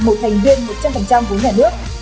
một thành viên một trăm linh của nhà nước